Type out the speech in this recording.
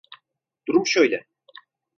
Durum şöyle.